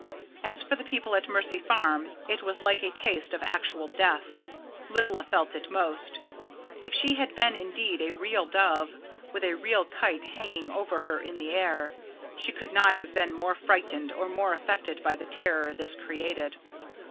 As for the people at Mercy Farm, it was like a taste of actual death. Lilla felt it most. If she had been indeed a real dove, with a real kite hanging over her in the air, she could not have been more frightened or more affected by the terror this created.